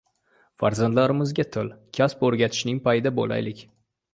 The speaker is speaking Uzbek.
Farzanddarimizga til, kasb o‘rgatishning payida bo‘laylik.